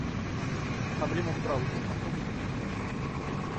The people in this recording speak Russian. Проблема в браузере, попробой установить другой.